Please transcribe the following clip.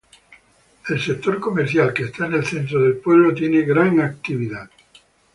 El sector comercial que esta en el centro del pueblo tiene gran actividad.